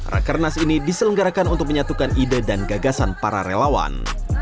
rakernas ini diselenggarakan untuk menyatukan ide dan gagasan para relawan